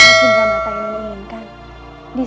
sampai jumpa lagi